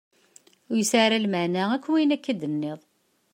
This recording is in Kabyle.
Ur yesɛi ara akklmeɛna wayen akka i d-tenniḍ.